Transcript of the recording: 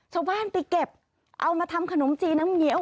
ชาวบ้านไปเก็บเอามาทำขนมจีนน้ำเงี้ยว